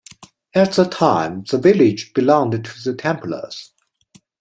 At the time, the village belonged to the Templars.